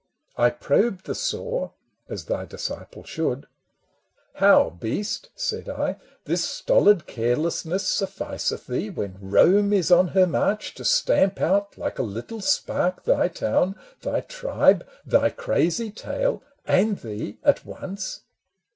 I probed the sore as thy disciple should :" How, beast," said I, " this stolid carelessness AN EPISTLE 195 " Sufficeth thee, when Rome is on her march " To stamp out like a little spark thy town, " Thy tribe, thy crazy tale and thee at once